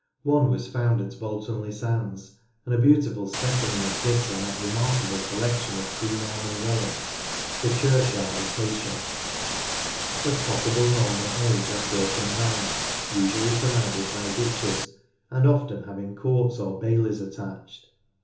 One was found at Bolton le Sands, and a beautiful specimen exists in that remarkable collection of pre Norman relics — the church yard at Heysham. Of possible Norman age are certain mounds usually surrounded by ditches, and often having courts or baileys attached.